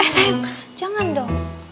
eh sayang jangan dong